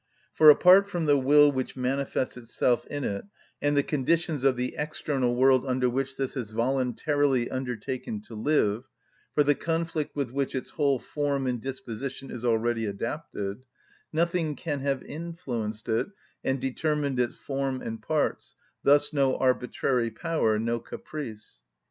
For apart from the will which manifests itself in it, and the conditions of the external world under which this has voluntarily undertaken to live, for the conflict with which its whole form and disposition is already adapted, nothing can have influenced it and determined its form and parts, thus no arbitrary power, no caprice.